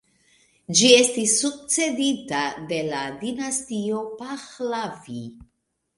Ĝi estis sukcedita de la dinastio Pahlavi.